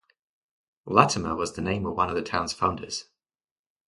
Latimer was the name of one of the town's founders.